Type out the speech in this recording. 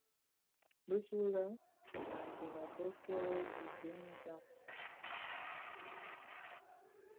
Bisulè antsem a tokkè dhidenèn dja.